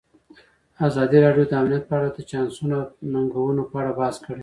ازادي راډیو د امنیت په اړه د چانسونو او ننګونو په اړه بحث کړی.